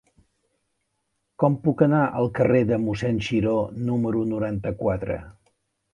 Com puc anar al carrer de Mossèn Xiró número noranta-quatre?